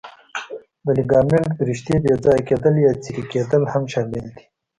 د لیګامنت د رشتې بې ځایه کېدل یا څیرې کېدل هم شامل دي.